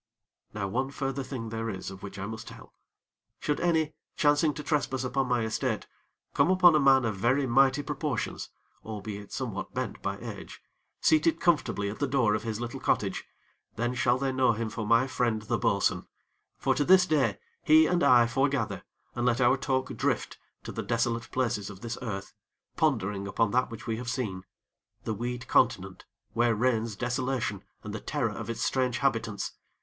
Now one further thing there is of which I must tell. Should any, chancing to trespass upon my estate, come upon a man of very mighty proportions, albeit somewhat bent by age, seated comfortably at the door of his little cottage, then shall they know him for my friend the bo'sun; for to this day do he and I fore gather, and let our talk drift to the desolate places of this earth, pondering upon that which we have seen the weed continent, where reigns desolation and the terror of its strange habitants.